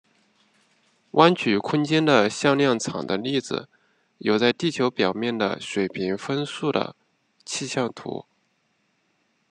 弯曲空间的向量场的例子有在地球表面的水平风速的气象图。